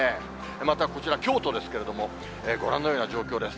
また、こちら京都ですけれども、ご覧のような状況です。